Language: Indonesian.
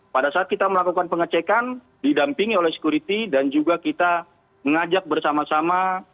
pada saat kita melakukan pengecekan didampingi oleh sekuriti dan juga kita mengajak bersama sama